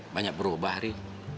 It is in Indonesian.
banyak berubah ri